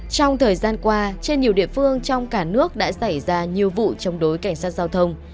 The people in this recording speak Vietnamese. trong thời gian qua trên nhiều địa phương trong cả nước đã xảy ra nhiều vụ chống đối cảnh sát giao thông